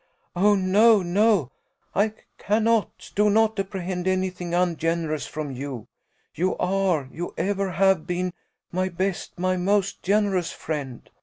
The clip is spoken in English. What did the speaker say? "Oh, no, no; I cannot, do not apprehend any thing ungenerous from you; you are, you ever have been, my best, my most generous friend!